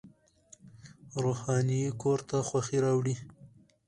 روښنايي کور ته خوښي راوړي